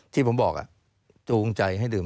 ที่ผมบอกจูงใจให้ดื่ม